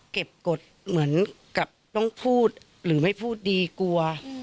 กฎเหมือนกับต้องพูดหรือไม่พูดดีกลัว